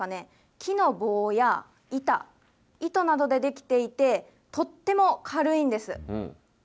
木の棒や板、糸などで出来ていて、とっても軽いんです。